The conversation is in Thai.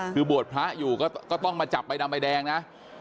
คือบวชพระอยู่ก็ต้องมาจับใบดำใบแดงนะ